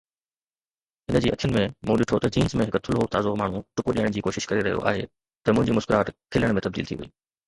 هن جي اکين ۾، مون ڏٺو ته جينز ۾ هڪ ٿلهو تازو ماڻهو ٽپو ڏيڻ جي ڪوشش ڪري رهيو آهي، ته منهنجي مسڪراهٽ کلڻ ۾ تبديل ٿي وئي.